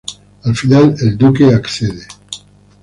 Al final el duque accede.